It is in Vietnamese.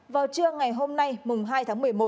vào trưa ngày hôm nay mùng hai tháng một mươi một